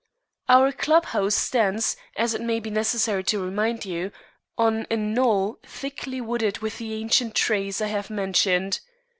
Our club house stands, as it may be necessary to remind you, on a knoll thickly wooded with the ancient trees I have mentioned.